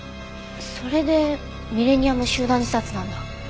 それで「ミレニアム集団自殺」なんだ。